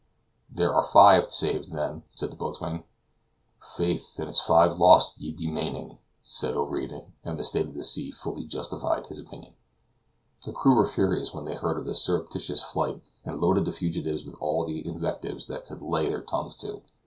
"There are five saved, then," said the boatswain. "Faith, an it's five lost ye'll be maning," said O'Ready; and the state of the sea fully justified his opinion. The crew were furious when they heard of the surreptitious flight, and loaded the fugitives with all the invectives they could lay their tongues to.